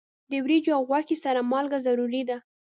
د وریجو او غوښې سره مالګه ضروری ده.